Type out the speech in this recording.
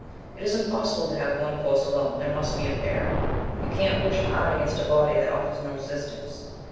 It is impossible to have one force alone, there must be a pair. You can't push hard against a body that offers no resistance.